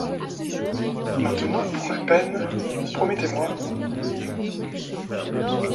Maintenant pour ma peine, promettez-moi....